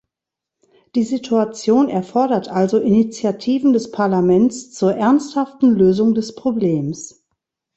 Die Situation erfordert also Initiativen des Parlaments zur ernsthaften Lösung des Problems.